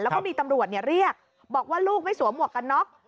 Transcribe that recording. แล้วก็มีตำรวจเรียกบอกว่าลูกไม่สวมหมวกกันน็อก